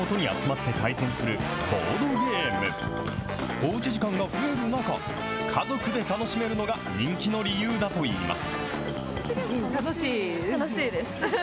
おうち時間が増える中、家族で楽しめるのが人気の理由だといいます。